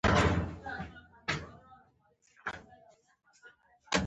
بې عقله انسان له بد سلوک څخه خوند او مزه اخلي.